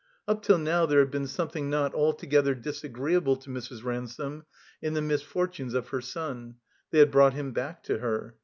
Up till now there had been something not alto gether disagreeable to Mrs. Ransome in the mis fortimes of her son. They had brought him back to her.